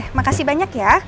oke makasih banyak ya